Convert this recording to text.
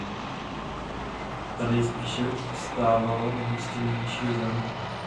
Ta nejspíše stávala na místě nynějšího zámku.